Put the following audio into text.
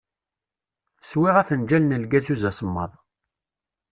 Swiɣ afenǧal n lgazuz asemmaḍ.